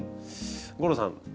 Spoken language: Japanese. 吾郎さん